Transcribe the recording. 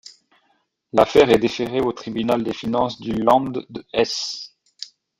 L'affaire est déférée au Tribunal des Finances du Land de Hesse.